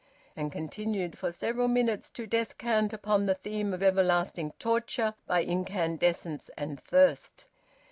And continued for several minutes to descant upon the theme of everlasting torture by incandescence and thirst.